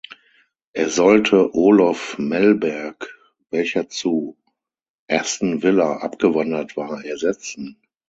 Er sollte Olof Mellberg, welcher zu Aston Villa abgewandert war, ersetzen.